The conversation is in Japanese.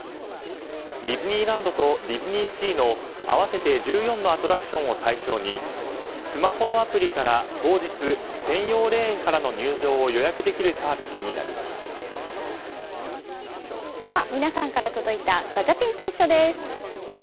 ディズニーランドとディズニーシーの合わせて１４のアトラクションを対象にスマホのアプリから当日専用レーンからの入場をでは、皆さんから届いたガチャピンといっしょ！です。